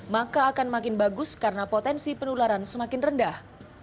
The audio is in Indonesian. maka akan makin bagus karena potensi penularan semakin rendah